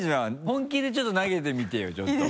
本気でちょっと投げてみてよちょっと。